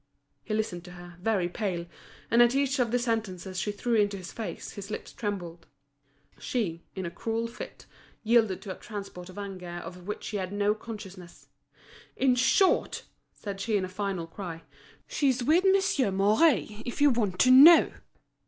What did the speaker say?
He listened to her, very pale; and at each of the sentences she threw into his face, his lips trembled. She, in a cruel fit, yielded to a transport of anger of which she had no consciousness. "In short," said she in a final cry, "she's with Monsieur Mouret, if you want to know!"